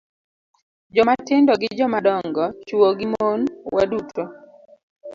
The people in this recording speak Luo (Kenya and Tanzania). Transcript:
Jomatindo gi jomadongo, chwo gi mon, waduto